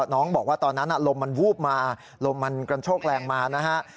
น้องบอกว่าตอนนั้นลมมันวูบมาลมมันกระโชกแรงมานะฮะ